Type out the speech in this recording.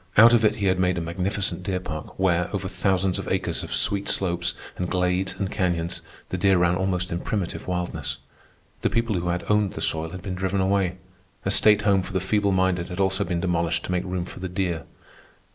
Out of it he had made a magnificent deer park, where, over thousands of acres of sweet slopes and glades and canyons, the deer ran almost in primitive wildness. The people who had owned the soil had been driven away. A state home for the feeble minded had also been demolished to make room for the deer.